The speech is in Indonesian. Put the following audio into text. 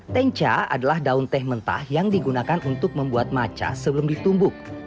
tencha adalah daun teh mentah yang digunakan untuk membuat maca sebelum ditumbuk